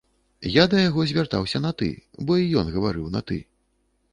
Я да яго звяртаўся на ты, бо і ён гаварыў на ты.